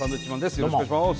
よろしくお願いします。